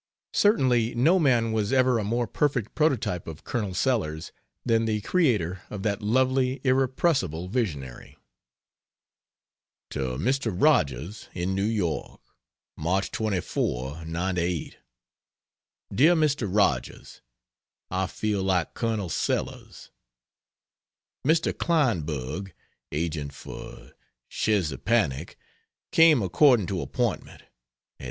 Certainly no man was ever a more perfect prototype of Colonel Sellers than the creator of that lovely, irrepressible visionary. To Mr. Rogers, in New York: March 24, '98. DEAR MR. ROGERS, (I feel like Col. Sellers). Mr. Kleinberg [agent for Sczezepanik] came according to appointment, at 8.